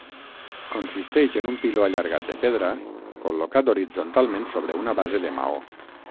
Consisteix en un piló allargat de pedra col·locat horitzontalment sobre una base de maó.